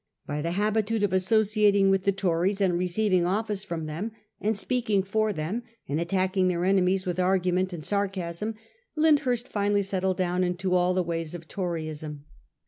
By the habitude of associating with the Tories, and receiving office from them, and speaking for them, and attacking their enemies with argument and sarcasm, Lyndhurst finally settled down into all the ways of Toryism.